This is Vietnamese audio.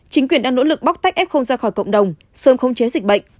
chính quyền đang nỗ lực bóc tách ép không ra khỏi cộng đồng sớm khống chế dịch bệnh